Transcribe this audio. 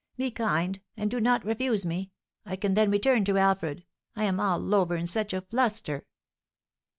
Be kind, and do not refuse me, I can then return to Alfred; I am all over in such a fluster."